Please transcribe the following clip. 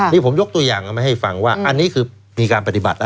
นี่ผมยกตัวอย่างเอามาให้ฟังว่าอันนี้คือมีการปฏิบัติแล้ว